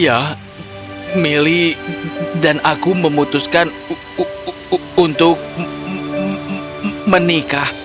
ya milly dan aku memutuskan untuk menikah